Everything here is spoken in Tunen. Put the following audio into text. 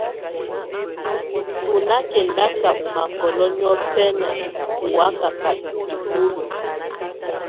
Tù nà kɛndaka ɔ́ mákɔ́lɔ niɔ̀fɛna ɔ́ wakaka isukulu.